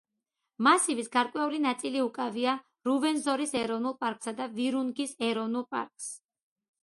მასივის გარკვეული ნაწილი უკავია რუვენზორის ეროვნულ პარკსა და ვირუნგის ეროვნულ პარკს.